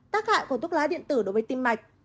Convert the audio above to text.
tác hại của thuốc lá điện tử đối với tim mạch